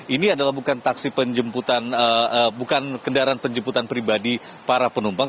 ini adalah bukan kendaraan penjemputan pribadi para penumpang